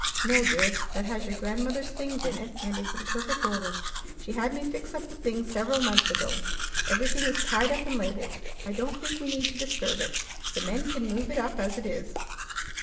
"No, dear. That has your grandmother's things in it, and is in perfect order. She had me fix up the things several months ago. Everything is tied up and labelled. I don't think we need to disturb it. The men can move it up as it is.